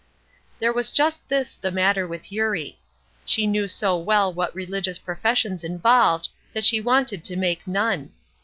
There was just this the matter with Eurie. She knew so well what religious professions involved that she wanted to make none.